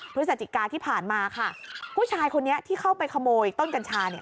พฤศจิกาที่ผ่านมาค่ะผู้ชายคนนี้ที่เข้าไปขโมยต้นกัญชาเนี่ย